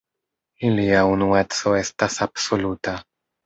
Ilia unueco estas absoluta.